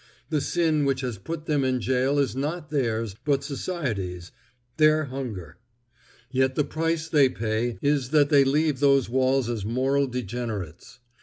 The sin which has put them in gaol is not theirs, but society's—their hunger. Yet the price they pay is that they leave those walls as moral degenerates.